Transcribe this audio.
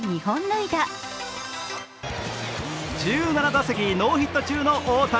１７打席ノーヒット中の大谷。